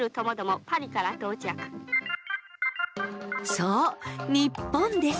そう日本です。